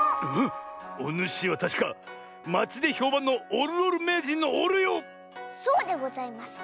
おぬしはたしかまちでひょうばんのおるおるめいじんのおるよ⁉そうでございます。